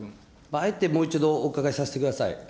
あえてもう一度お伺いさせてください。